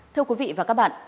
thưa quý vị và các bạn